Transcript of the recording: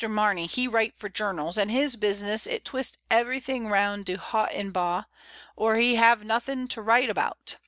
Mamey, he write for journals, and his business it twist everything round de haui en bos, or he have nothing to write about.